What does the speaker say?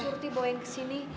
mau surti bawa yang kesini